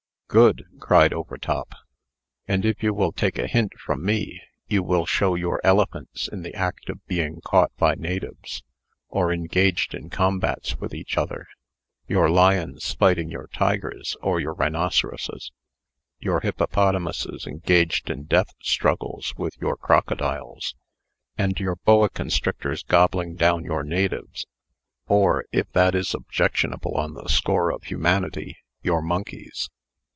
"Good!" cried Overtop; "and if you will take a hint from me, you will show your elephants in the act of being caught by natives, or engaged in combats with each other; your lions fighting your tigers or your rhinoceroses; your hippopotamuses engaged in death struggles with your crocodiles; and your boa constrictors gobbling down your natives or, if that is objectionable on the score of humanity, your monkeys."